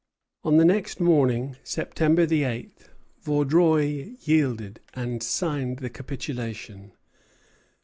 On the next morning, September eighth, Vaudreuil yielded, and signed the capitulation.